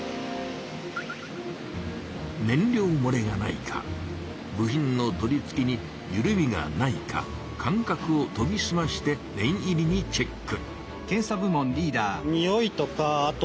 燃料もれがないか部品の取り付けにゆるみがないか感覚をとぎすまして念入りにチェック。